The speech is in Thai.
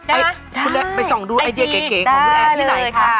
อายเจอเก๋ของคุณแอที่ไหนค่ะ